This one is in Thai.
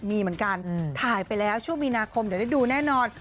มีเหมือนกันถ่ายไปแล้วช่วงมีนาคมเดี๋ยวได้ดูแน่นอน